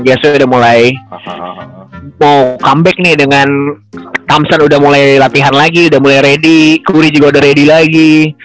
jeswe kan jeswe udah mulai mau comeback nih dengan thompson udah mulai latihan lagi udah mulai ready curry juga udah ready lagi